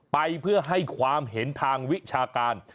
ไปเพื่อให้ความเห็นทางวิชาการ